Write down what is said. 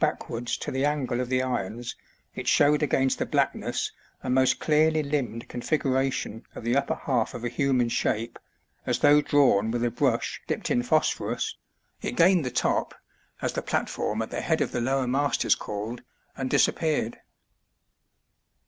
backwards to the angle of the irons, it showed against the blackness a most clearly limned configuration of the upper half of a human shape, as though drawn with a brush dipped in phosphorus, it gained the top, as the platform at the head of the lower mast is called, and disappeared.